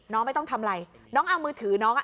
น้องไม่ต้องทำไรน้องเอามือถือน้อง